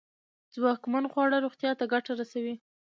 ځواکمن خواړه روغتیا ته گټه رسوي.